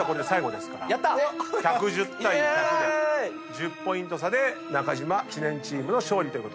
１０ポイント差で中島・知念チームの勝利ということになります。